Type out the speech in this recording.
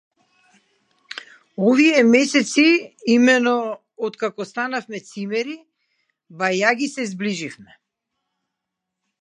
Овие месеци, имено, откако станавме цимери, бајаги се зближивме.